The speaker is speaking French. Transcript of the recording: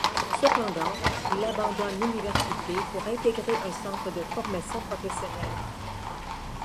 Cependant il abandonne l'université pour intégrer un centre de formation professionnel.